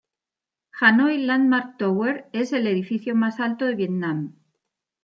Hanoi Landmark Tower es el edificio más alto de Vietnam.